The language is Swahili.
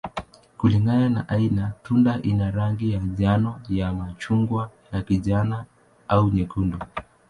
Kulingana na aina, tunda ina rangi ya njano, ya machungwa, ya kijani, au nyekundu.